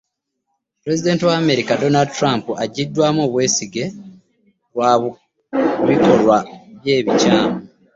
Pulezidenti wa America Donald Trump aggyiddwamu obwesige lwa bikolwa bye ebikyamu.